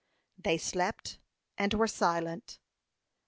They slept, and were silent.